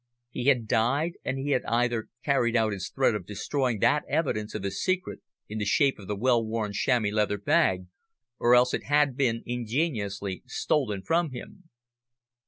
He had died, and he had either carried out his threat of destroying that evidence of his secret in the shape of the well worn chamois leather bag, or else it had been ingeniously stolen from him.